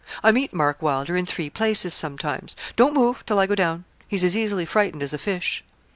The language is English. I meet Mark Wylder in three places sometimes. Don't move, till I go down; he's as easily frightened as a fish.'